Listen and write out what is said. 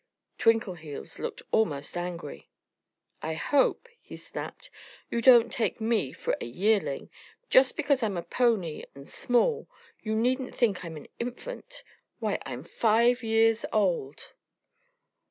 Twinkleheels looked almost angry. "I hope," he snapped, "you don't take me for a yearling. Just because I'm a pony and small you needn't think I'm an infant. Why, I'm five years old!"